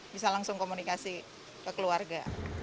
bisa langsung komunikasi ke keluarga